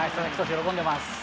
喜んでます。